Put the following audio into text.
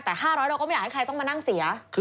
แต่๕๐๐เราก็ไม่อยากให้ใครต้องมานั่งเสีย